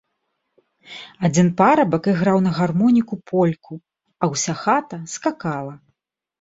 Адзін парабак іграў на гармоніку польку, а ўся хата скакала.